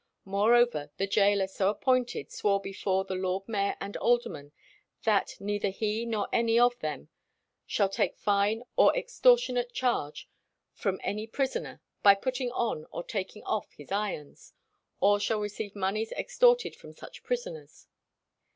Moreover, the gaoler so appointed swore before the lord mayor and aldermen that "neither he nor any of them shall take fine or extortionate charge from any prisoner by putting on or taking off his irons, or shall receive moneys extorted from such prisoners."